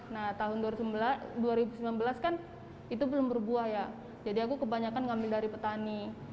nah tahun dua ribu sembilan belas kan itu belum berbuah ya jadi aku kebanyakan ngambil dari petani